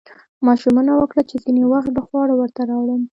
ما ژمنه وکړه چې ځینې وخت به خواړه ورته راوړم